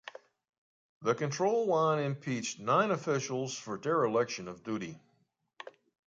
The Control Yuan impeached nine officials for dereliction of duty.